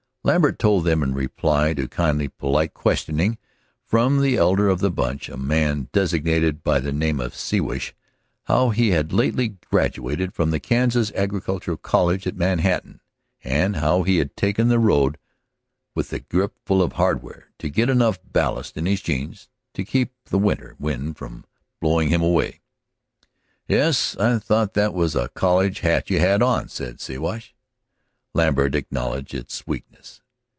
Lambert told them, in reply to kindly, polite questioning from the elder of the bunch, a man designated by the name Siwash, how he was lately graduated from the Kansas Agricultural College at Manhattan, and how he had taken the road with a grip full of hardware to get enough ballast in his jeans to keep the winter wind from blowing him away. "Yes, I thought that was a college hat you had on," said Siwash. Lambert acknowledged its weakness.